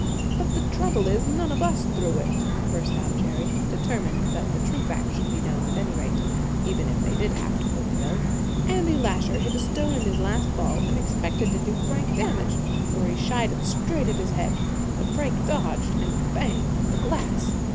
"But the trouble is, none of us threw it!" burst out Jerry, determined that the true facts should be known at any rate, even if they did have to foot the bill. "Andy Lasher hid a stone in his last ball, and expected to do Frank damage, for he shied it straight at his head; but Frank dodged, and bang went the glass!"